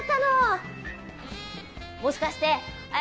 もしかして。